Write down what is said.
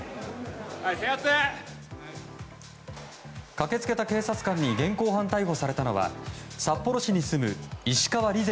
駆けつけた警察官に現行犯逮捕されたのは札幌市に住む石川莉世